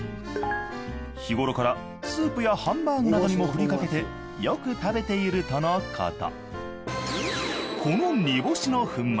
日ごろからスープやハンバーグなどにも振りかけてよく食べているとのこと。